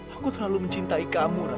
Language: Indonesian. aku terlalu mencintai kamu